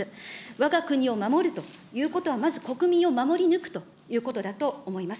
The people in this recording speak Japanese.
わが国を守るということは、まず国民を守り抜くということだと思います。